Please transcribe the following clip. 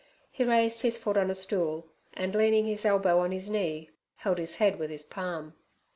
He raised his foot on a stool, and, leaning his elbow on his knee, held his head with his palm.